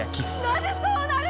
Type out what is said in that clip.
なぜそうなる！？